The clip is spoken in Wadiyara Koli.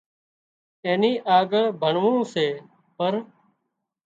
اين نين آڳۯ ڀڻوون سي پر